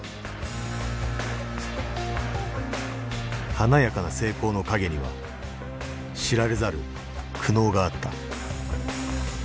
華やかな成功の陰には知られざる苦悩があった。